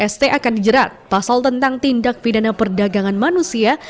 st akan dijerat pasal tentang tindak pidana perdagangan manusia